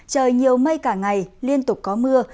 trời nhiều mây cả ngày liên tục có mưa